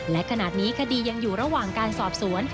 และขณะนี้คดียังอยู่ระหว่างการสอบสวน